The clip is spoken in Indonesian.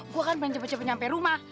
gue kan pengen cepet cepet nyampe rumah